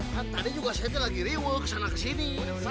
kan tadi juga saya lagi ribut kesana kesini